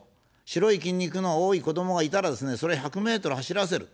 白い筋肉の多い子どもがいたらですね、それは１００ｍを走らせる。